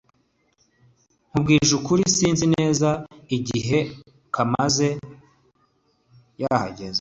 nkubwije ukuri, sinzi neza igihe kamanzi yahageze